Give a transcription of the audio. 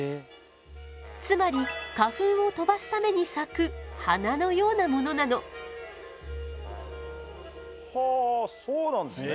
つまり花粉を飛ばすために咲く花のようなモノなの。はあそうなんですね。